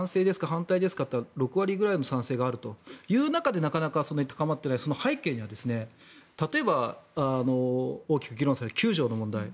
反対ですか？というと６割ぐらいの賛成があるという中でなかなかそんなに高まってない背景には例えば、大きく議論される９条の問題。